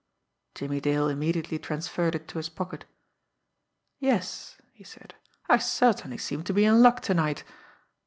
Jimmie Dale immediately transferred it to his pocket. "Yes," he said, "I certainly seem to be in luck tonight!